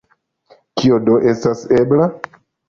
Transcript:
Kio do estas ebla?